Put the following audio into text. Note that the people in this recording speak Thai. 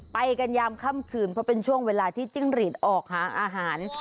ไปกันยามค่ำคืนเพราะเป็นช่วงเวลาที่จิ้งหลีดออกหาอาหาร